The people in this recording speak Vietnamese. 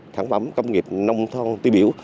sản phẩm công nghiệp nông thôn tuy biểu